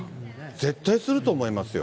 絶対すると思いますよ。